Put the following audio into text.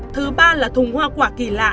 thứ ba là thùng hoa quả kỳ lạ